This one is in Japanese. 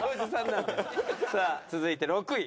さあ続いて６位。